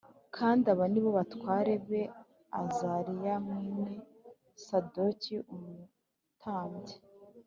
kandi aba ni bo batware be: Azariya mwene Sadoki umutambyi